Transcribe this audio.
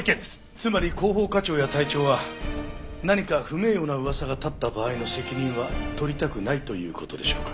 つまり広報課長や隊長は何か不名誉な噂が立った場合の責任は取りたくないという事でしょうか？